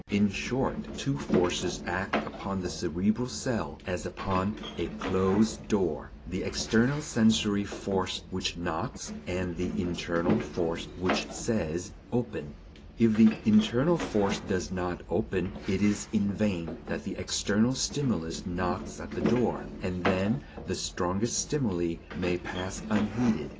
In short, two forces act upon the cerebral cell, as upon a closed door: the external sensory force which knocks, and the internal force which says: Open. If the internal force does not open, it is in vain that the external stimulus knocks at the door. And then the strongest stimuli may pass unheeded.